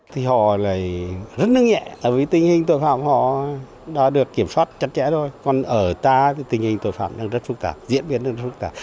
thì họ lại rất nâng nhẹ vì tình hình tội phạm họ đã được kiểm soát chặt chẽ thôi còn ở ta thì tình hình tội phạm đang rất phức tạp diễn biến rất phức tạp